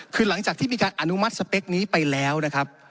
คือหลังจากที่มีการอนุมัติสเปคนี้ไปแล้วนะครับ